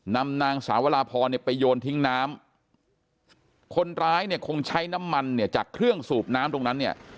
นำนางสาวราพรไปโยนทิ้งน้ำคนร้ายคงใช้น้ำมันจากเครื่องสูบน้ำตรงนั้น